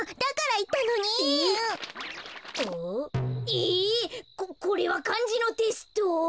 えここれはかんじのテスト？